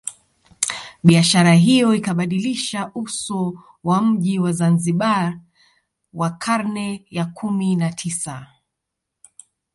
Biashara hiyo ikabadilisha uso wa mji wa Zanzibar wa karne ya kumi na tisa